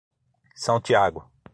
São Tiago